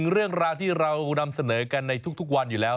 เรื่องราวที่เรานำเสนอกันในทุกวันอยู่แล้ว